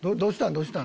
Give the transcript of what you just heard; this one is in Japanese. どうしたん？